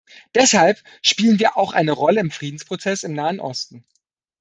Deshalb spielen wir auch eine Rolle im Friedensprozess im Nahen Osten.